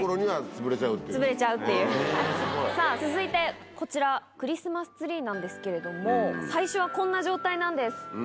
さぁ続いてこちらクリスマスツリーなんですけれども最初はこんな状態なんです。